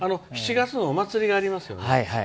７月のお祭りがありますよね。